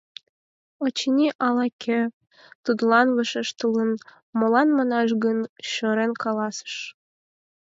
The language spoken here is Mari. Очыни, ала-кӧ тудлан вашештылын, молан манаш гын шӧрен каласыш: